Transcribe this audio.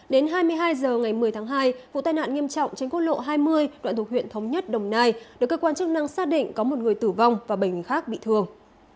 đến hai mươi hai h ngày một mươi tháng hai vụ tai nạn nghiêm trọng trên quốc lộ hai mươi đoạn thuộc huyện thống nhất đồng nai được cơ quan chức năng xác định có một người tử vong và bảy người khác bị thương